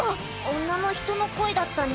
女の人の声だったね。